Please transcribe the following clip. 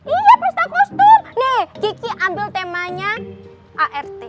iya pesta kostum nih kiki ambil temanya art